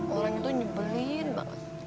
orangnya tuh nyebelin banget